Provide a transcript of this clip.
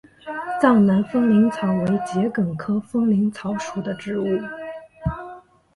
藏南风铃草为桔梗科风铃草属的植物。